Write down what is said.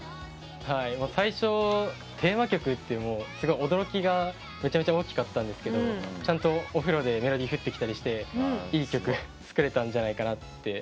最初テーマ曲ってもうすごい驚きがめちゃくちゃ大きかったんですけどちゃんとお風呂でメロディー降ってきたりしていい曲作れたんじゃないかなって思ってます。